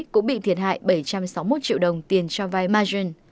cũng bị thiệt hại bảy trăm sáu mươi một triệu đồng tiền cho vai margin